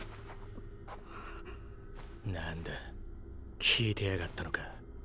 何だ聞いてやがったのか？